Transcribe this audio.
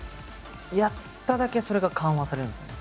やっただけそれが緩和されるんですよね